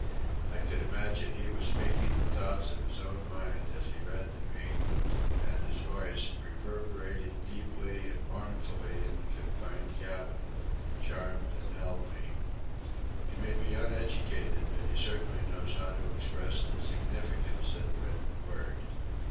I could imagine he was speaking the thoughts of his own mind as he read to me, and his voice, reverberating deeply and mournfully in the confined cabin, charmed and held me. He may be uneducated, but he certainly knows how to express the significance of the written word.